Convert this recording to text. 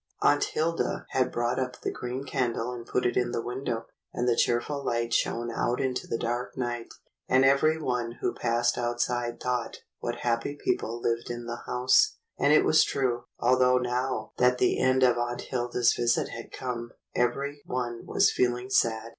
Aunt Hilda had brought up the green candle and put it in the window, and the cheerful light shone out into the dark night, and every one who passed outside thought what happy people lived in the house; and it was true, although now that the end of Aunt Hilda's visit had come every one was feeling sad.